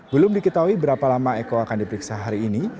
belum diketahui berapa lama eko akan diperiksa hari ini